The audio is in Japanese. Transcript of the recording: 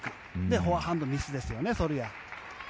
フォアハンドのミスですよねソルヤ。